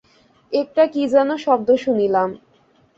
একটা কী যেন শব্দ শুনিলাম।